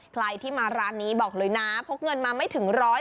ใครที่มาร้านนี้บอกเลยนะพกเงินมาไม่ถึง๑๐๐